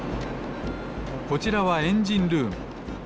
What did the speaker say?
こちらはエンジンルーム。